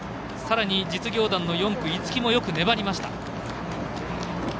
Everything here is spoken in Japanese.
さらに、実業団の４区逸木もよく粘りました。